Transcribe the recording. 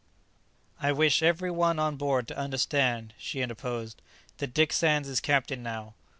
"I wish every one on board to understand," she interposed, "that Dick Sands is captain now.